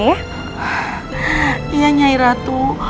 ya nyai ratu